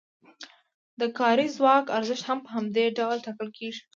د کاري ځواک ارزښت هم په همدې ډول ټاکل کیږي.